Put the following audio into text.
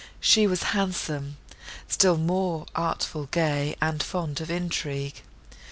She was handsome, still more artful, gay and fond of intrigue.